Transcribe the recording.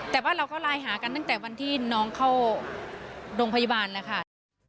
แต่เป็นรายหากันตั้งแต่วันที่น้องเข้าโรงพยาบาลเลยค่ะ